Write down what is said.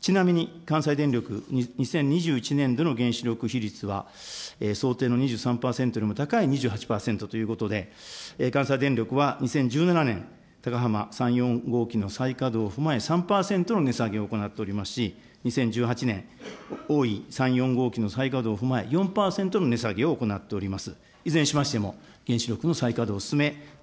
ちなみに関西電力、２０２１年度の原子力比率は想定の２３％よりも高い２８％ということで、関西電力は２０１７年、高浜３、４号機の再稼働を踏まえ、３％の値下げを行っておりますし、２０１８年、多い３、４号機の再稼働を踏まえ、４％の値下げを行っております。